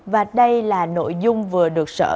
và đây là nội dung vừa được sở